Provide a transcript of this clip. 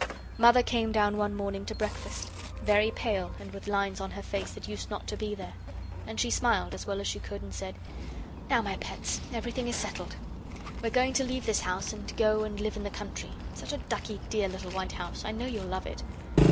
Mother came down one morning to breakfast, very pale and with lines on her face that used not to be there. And she smiled, as well as she could, and said: "Now, my pets, everything is settled. We're going to leave this house, and go and live in the country. Such a ducky dear little white house. I know you'll love it."